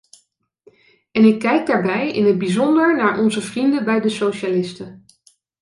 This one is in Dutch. En ik kijk daarbij in het bijzonder naar onze vrienden bij de socialisten.